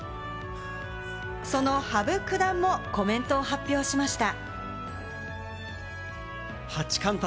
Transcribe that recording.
その羽生九段もコメントを発表しました。